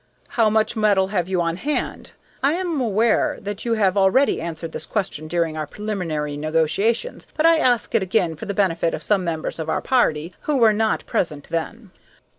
"How much metal have you on hand? I am aware that you have already answered this question during our preliminary negotiations, but I ask it again for the benefit of some members of our party who were not present then."